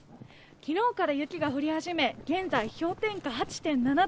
きのうから雪が降り始め、現在、氷点下８．７度。